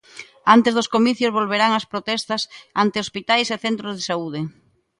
Antes dos comicios volverán ás protestas ante hospitais e centros de saúde.